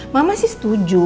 mama sih setuju